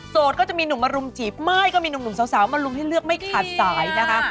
ก็จะมีหนุ่มมารุมจีบไม่ก็มีหนุ่มสาวมาลุมให้เลือกไม่ขาดสายนะคะ